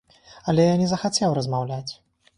Але я не захацеў размаўляць.